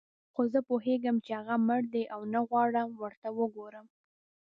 خو زه پوهېږم چې هغه مړ دی او نه غواړم ورته وګورم.